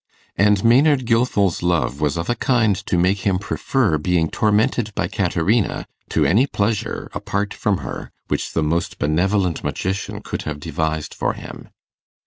And Maynard Gilfil's love was of a kind to make him prefer being tormented by Caterina to any pleasure, apart from her, which the most benevolent magician could have devised for him.